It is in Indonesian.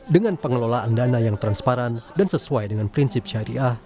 dengan pengelolaan dana yang transparan dan sesuai dengan prinsip syariah